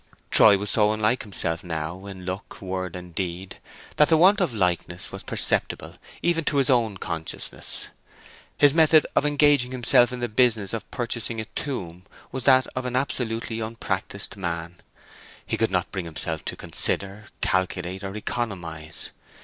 Troy was so unlike himself now in look, word, and deed, that the want of likeness was perceptible even to his own consciousness. His method of engaging himself in this business of purchasing a tomb was that of an absolutely unpractised man. He could not bring himself to consider, calculate, or economize.